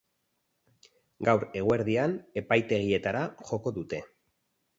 Gaur eguerdian, epaitegietara joko dute.